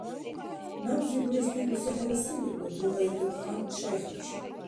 — Набзи бурес дигуси хӀела се леба? — дугьаизур хан шайхличи.